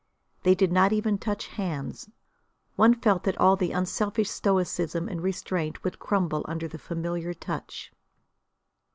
They did not even touch hands. One felt that all the unselfish stoicism and restraint would crumble under the familiar touch.